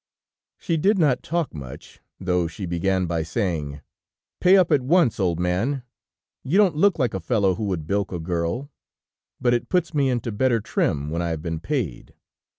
"She did not talk much, though she began by saying: 'Pay up at once, old man ... You don't look like a fellow who would bilk a girl, but it puts me into better trim when I have been paid.'